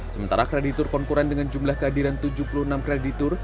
sementara kreditur konkuran dengan jumlah kehadiran tujuh puluh enam kreditur